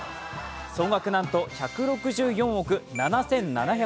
総額なんと１６４億７７００万。